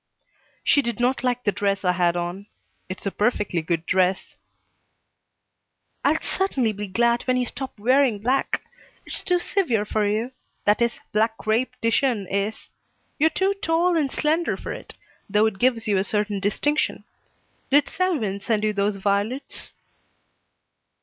She did not like the dress I had on. It's a perfectly good dress. "I'll certainly be glad when you stop wearing black. It's too severe for you; that is, black crepe de chine is. You're too tall and slender for it, though it gives you a certain distinction. Did Selwyn send you those violets?"